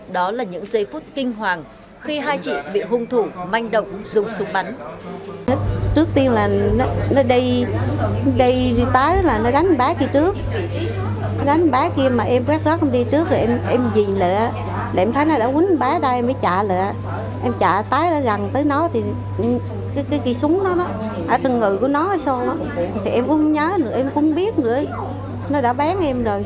đó là những giây phút kinh hoàng khi hai chị bị hung thủ manh động dùng súng bắn